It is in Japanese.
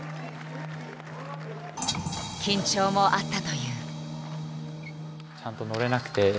緊張もあったという。